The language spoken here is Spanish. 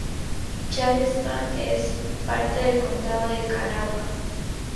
Charleston es parte del condado de Kanawha.